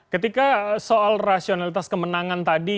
ketika soal rasionalitas kemenangan tadi